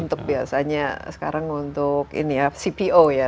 untuk biasanya sekarang untuk ini ya cpo ya